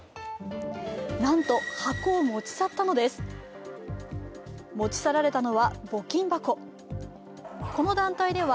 なんと、箱を持ち去ったのです。